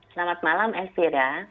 selamat malam estira